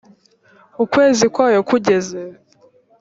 ukwezi kwayo kugeze